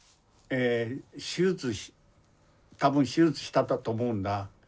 手術多分手術したんだと思うんだ。